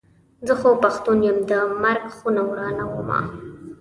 زه خو پښتون یم د مرک خونه ورانومه.